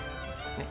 ねっ？